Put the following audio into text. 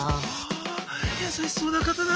あ優しそうな方だ。